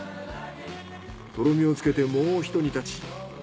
とろみをつけてもうひと煮立ち。